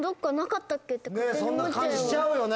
ねぇそんな感じしちゃうよね。